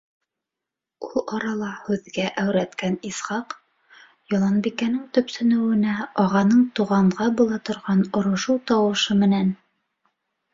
Ул арала һүҙгә әүрәткән Исхаҡ Яланбикәнең төпсөнөүенә, ағаның туғанға була торған орошоу тауышы менән: